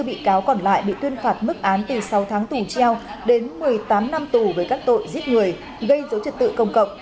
hai mươi bị cáo còn lại bị tuyên phạt mức án từ sáu tháng tù treo đến một mươi tám năm tù với các tội giết người gây dối trật tự công cộng